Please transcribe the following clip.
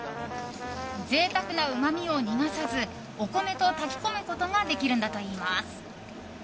贅沢なうまみを逃がさずお米と炊き込むことができるんだといいます。